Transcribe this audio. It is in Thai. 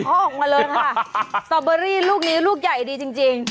เขาออกมาเลยค่ะสตอเบอรี่ลูกนี้ลูกใหญ่ดีจริง